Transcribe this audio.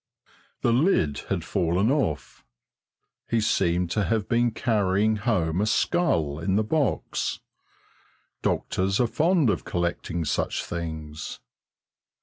The lid had fallen off. He seemed to have been carrying home a skull in the box doctors are fond of collecting such things.